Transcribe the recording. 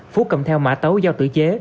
phú cầm theo mã tấu giao tử chế